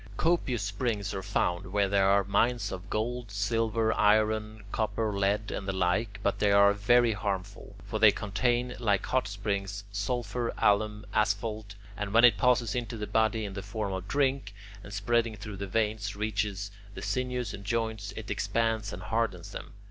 Copious springs are found where there are mines of gold, silver, iron, copper, lead, and the like, but they are very harmful. For they contain, like hot springs, sulphur, alum, asphalt,... and when it passes into the body in the form of drink, and spreading through the veins reaches the sinews and joints, it expands and hardens them.